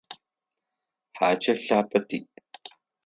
Хакӏэ лъапӏэ тиӏ.